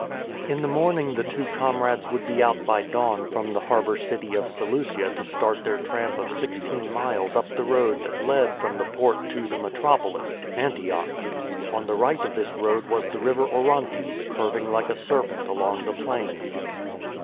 In the morning the two comrades would be out by dawn from the harbour city of Seleucia to start their tramp of sixteen miles up the road that led from the port to the metropolis — Antioch. On the right of this road was the River Orontes curving like a serpent along the plain.